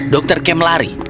dr kemp lari